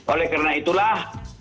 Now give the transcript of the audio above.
oleh karena itulah